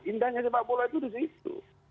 indahnya sepak bola itu di situ